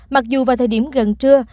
mặc dù vào thời điểm gần trưa